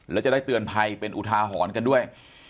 แล้วจะได้เตือนภัยเป็นอุทาหรณ์กันด้วย